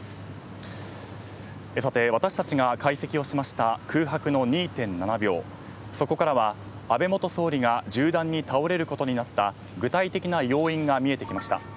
私たちが解析をしました空白の２．７秒そこからは、安倍元総理が銃弾に倒れることになった具体的な要因が見えてきました。